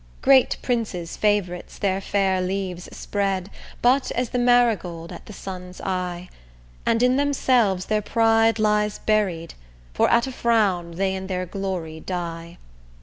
Great princes' favourites their fair leaves spread But as the marigold at the sun's eye, And in themselves their pride lies buried, For at a frown they in their glory die.